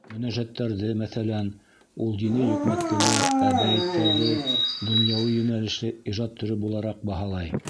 Мөнәжәттәрҙе, мәҫәлән, ул дини йөкмәткеле, ә бәйеттәрҙе донъяуи йүнәлешле ижад төрө булараҡ баһалай.